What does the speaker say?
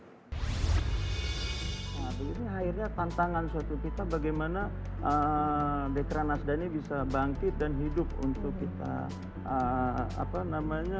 nah ini akhirnya tantangan suatu kita bagaimana dekra nasda ini bisa bangkit dan hidup untuk kita apa namanya